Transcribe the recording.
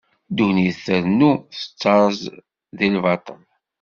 Ddunit trennu, tettaẓ di lbaṭel.